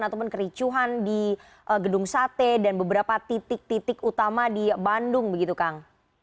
ataupun kericuhan di gedung sate dan beberapa titik titik utama di bandung begitu kang